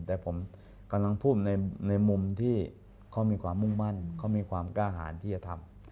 แต่ผมกำลังพูดในมุมที่เขามีความมุ่งมั่นเขามีความกล้าหารที่จะทำ